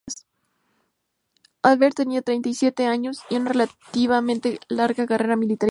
Alvear tenía treinta y siete años y una relativamente larga carrera militar y política.